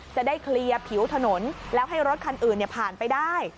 จะได้เคลียร์ผิวถนนแล้วให้รถคันอื่นผ่านไปได้